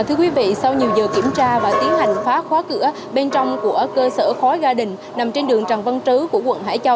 thưa quý vị sau nhiều giờ kiểm tra và tiến hành phá khóa cửa bên trong của cơ sở khói gia đình nằm trên đường trần văn trứ của quận hải châu